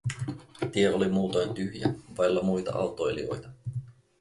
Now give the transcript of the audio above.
Tie oli muutoin tyhjä, vailla muita autoilijoita.